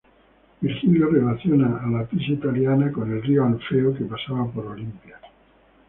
Virgilio relaciona a la Pisa italiana con el río Alfeo, que pasaba por Olimpia.